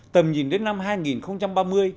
tầm nhìn đến năm hai nghìn ba mươi